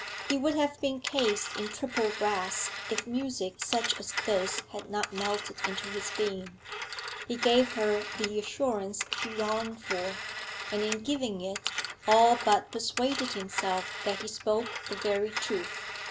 He would have been cased in triple brass if music such as this had not melted into his being. He gave her the assurance she yearned for, and, in giving it, all but persuaded himself that he spoke the very truth.